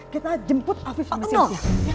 kita jemput afif sama cynthia